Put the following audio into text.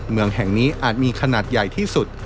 เมืองแห่งนี้อาจมีขนาดใหญ่ที่สุด